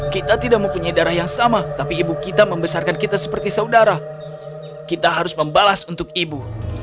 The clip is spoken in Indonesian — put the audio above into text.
kita tidak mempunyai darah yang sama tapi ibu kita membesarkan kita seperti saudara kita harus membalas untuk ibu